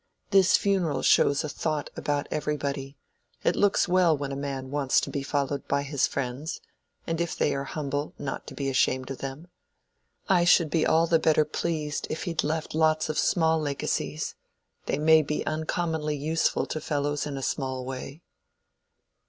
"This funeral shows a thought about everybody: it looks well when a man wants to be followed by his friends, and if they are humble, not to be ashamed of them. I should be all the better pleased if he'd left lots of small legacies. They may be uncommonly useful to fellows in a small way."